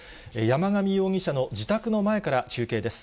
山上容疑者の自宅の前から中継です。